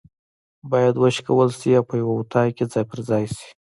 بايد وشکول سي او په یو اطاق کي ځای پر ځای سي